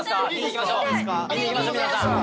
見に行きましょう皆さん。